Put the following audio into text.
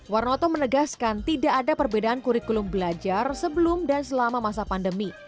warnoto menegaskan tidak ada perbedaan kurikulum belajar sebelum dan selama masa pandemi